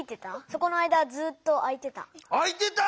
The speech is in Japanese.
そこの間はずっとあいてた。